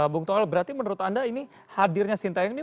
bung toel berarti menurut anda ini hadirnya sintayong ini